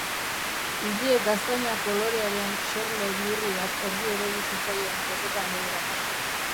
Ile gaztaina-kolorearen xerlo bihurri bat erdi erori zitzaion kopetan behera.